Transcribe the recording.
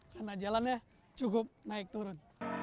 karena jalannya cukup naik turun